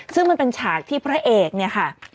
ซึ่งมันเป็นฉากที่พระเอกเนี่ยค่ะ